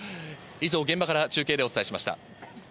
以上、現場から中継でお伝えしました。